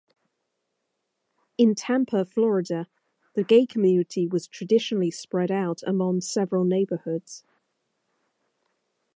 In Tampa, Florida, the gay community was traditionally spread out among several neighborhoods.